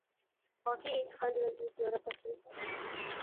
hockey ایک ہردلعزیز Europe کا کھیل ہے